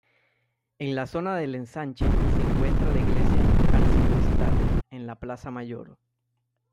En la zona del ensanche, se encuentra la Iglesia Arciprestal, en la Plaza Mayor.